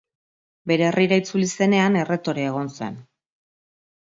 Bere herrira itzuli zenean, erretore egon zen.